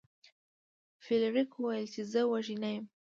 فلیریک وویل چې زه وږی نه یم.